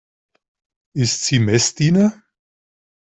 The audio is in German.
Ist sie Messdiener?